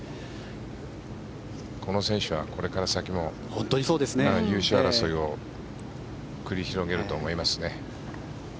この選手はこれから先も優勝争いを繰り広げると思いますね。